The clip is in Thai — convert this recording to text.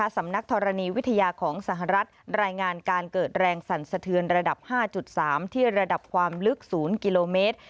สำนักธรณีวิทยาของสหรัฐรายงานการเกิดแรงสั่นสะเทือนระดับ๕๓ที่ระดับความลึก๐กิโลเมตร